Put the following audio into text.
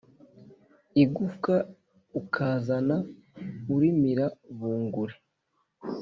Igufwa ukazana urimira burunguri